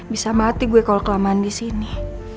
bisa mati gue kalau kelamaan disini